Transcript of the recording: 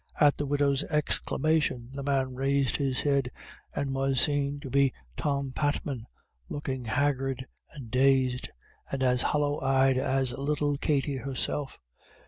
At the widow's exclamation the man raised his head, and was seen to be Tom Patman, looking haggard and dazed, and as hollow eyed as little Katty herself.